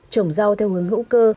trồng rau theo hướng hữu cơ